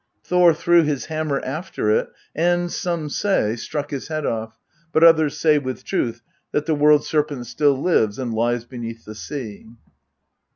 Thor threw his hammer after it and, some say, struck his head off, but others say, with truth, that the World Serpent still lives and lies beneath the sea."